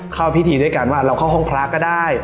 เข้าพิธีด้วยกันว่าเราเข้าห้องพระก็ได้